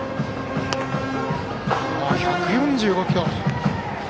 １４５キロ。